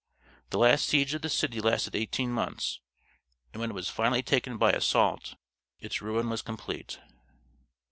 The last siege of the city lasted eighteen months, and when it was finally taken by assault, its ruin was complete.